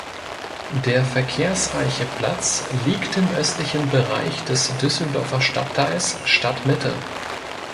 Der verkehrsreiche Platz liegt im östlichen Bereich des Düsseldorfer Stadtteils "Stadtmitte".